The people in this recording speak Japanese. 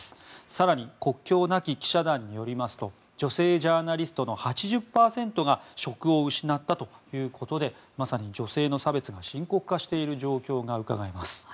更に国境なき記者団によりますと女性ジャーナリストの８０％が職を失ったということでまさに女性の差別が深刻化している状況がうかがえます。